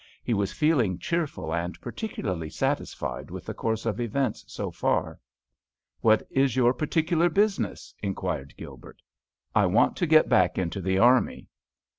He was feeling cheerful and particularly satisfied with the course of events so far. "What is your particular business?" inquired Gilbert. "I want to get back into the army."